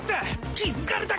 気付かれたか！